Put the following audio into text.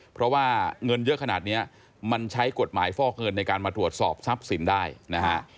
เพราะว่าเงินเยอะขนาดนี้มันใช้กฎหมายฟอกเงินในการมาตรวจสอบทรัพย์สินได้นะฮะ